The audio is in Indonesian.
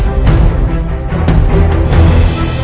aku akan menemui dia